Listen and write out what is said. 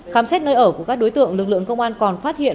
khám xét nơi ở của các đối tượng lực lượng công an còn phát hiện